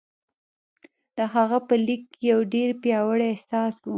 د هغه په ليک کې يو ډېر پياوړی احساس و.